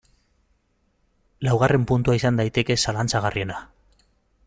Laugarren puntua izan daiteke zalantzagarriena.